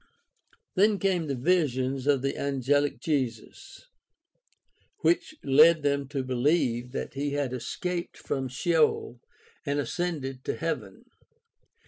Then came the visions of the angehc Jesus, which led them to beheve that he had escaped from Sheol and ascended to heaven.